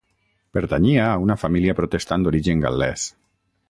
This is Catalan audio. Pertanyia a una família protestant d'origen gal·lès.